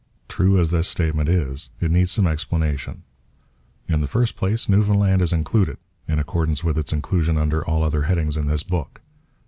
True as this statement is, it needs some explanation. In the first place, Newfoundland is included, in accordance with its inclusion under all other headings in this book.